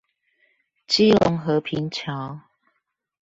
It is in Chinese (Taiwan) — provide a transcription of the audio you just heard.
基隆和平橋